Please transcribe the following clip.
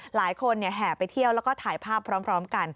แห่ไปเที่ยวแล้วก็ถ่ายภาพพร้อมกัน